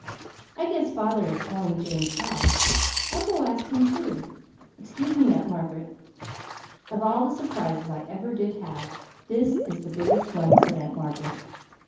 "I guess father is telling James how. I'll go ask him too. Excuse me, Aunt Margaret!" "Of all the surprises I ever did have, this is the biggest one!" said Aunt Margaret.